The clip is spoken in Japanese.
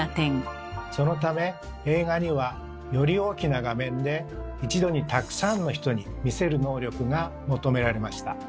そのため映画にはより大きな画面で一度にたくさんの人に見せる能力が求められました。